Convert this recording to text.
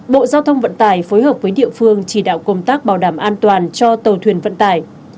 bộ giao thông vận tải phối hợp với địa phương chỉ đạo công tác bảo đảm an toàn cho tàu thuyền vận tải